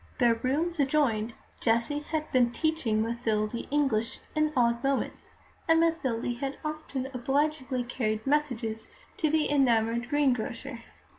Their rooms adjoined; Jessie had been teaching Mathilde English in odd moments, and Mathilde had often obligingly carried messages to the enamoured greengrocer.